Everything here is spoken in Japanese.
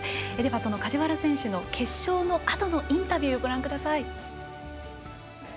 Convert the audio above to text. その梶原選手の決勝のあとのインタビューをご覧ください。